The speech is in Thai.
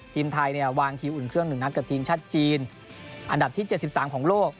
ทีมไทยเนี่ยวางคิวอุ่นเครื่อง๑นัดกับทีมชาติจีนอันดับที่๗๓ของโลก